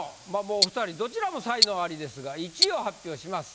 ２人どちらも才能アリですが１位を発表します。